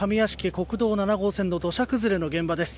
国道７号線の土砂崩れの現場です。